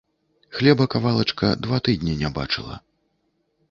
хлеба кавалачка два тыднi не бачыла...